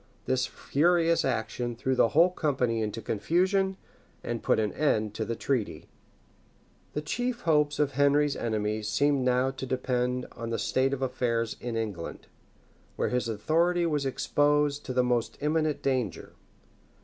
This furious action threw the whole company into confusion, and put an end to the treaty.[] The chief hopes of Henry's enemies seemed now to depend oft the state of affairs in England, where his authority was exposed to the most imminent danger.